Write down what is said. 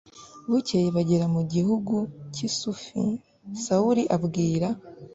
bukeye bagera mu gihugu cy i sufi sawuli abwira